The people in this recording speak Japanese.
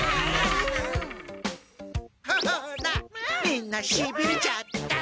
みんなしびれちゃった。